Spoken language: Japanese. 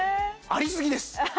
ありすぎです